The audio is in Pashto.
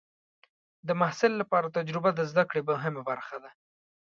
د محصل لپاره تجربه د زده کړې مهمه برخه ده.